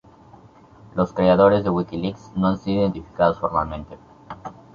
Los creadores de WikiLeaks no han sido identificados formalmente.